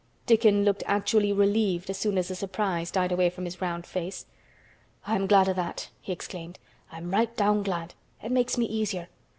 Dickon looked actually relieved as soon as the surprise died away from his round face. "I am glad o' that," he exclaimed. "I'm right down glad. It makes me easier.